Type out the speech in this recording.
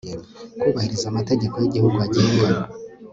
kubahiriza amategeko y igihugu agenga